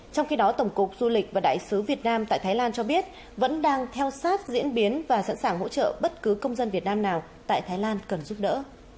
trong khi đó tổng cục du lịch và đại sứ việt nam tại thái lan cho biết vẫn đang theo sát diễn biến và sẵn sàng hỗ trợ bất cứ công dân việt nam nào tại thái lan cần giúp đỡ